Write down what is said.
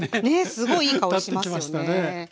すごいいい香りしますよね。